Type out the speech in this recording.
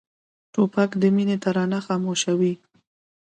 توپک د مینې ترانه خاموشوي.